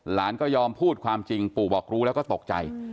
ก็ยอมพูดความจริงปู่บอกรู้แล้วก็ตกใจ